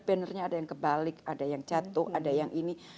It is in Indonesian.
bannernya ada yang kebalik ada yang jatuh ada yang ini